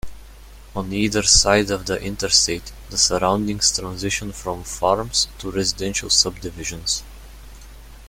On either side of the Interstate, the surroundings transition from farms to residential subdivisions.